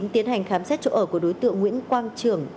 tiến hành khám xét chỗ ở của đối tượng nguyễn quang trường